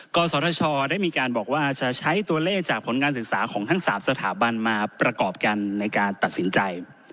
กศชได้มีการบอกว่าจะใช้ตัวเลขจากผลการศึกษาของทั้ง๓สถาบันมาประกอบกันในการตัดสินใจ